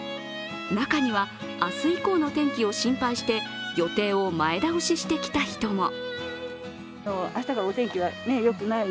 中には、明日以降の天気を心配して予定を前倒しして来た人も。